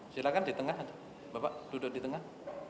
silahkan di tengah bapak duduk di tengah